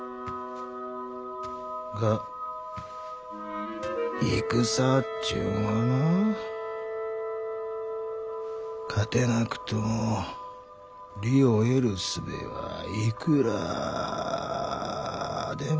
が戦っちゅうんはな勝てなくとも利を得るすべはいくらでもある。